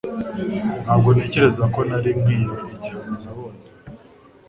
Ntabwo ntekereza ko nari nkwiye igihano nabonye